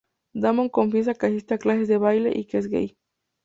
Damon confiesa que asiste a clases de baile y que es gay.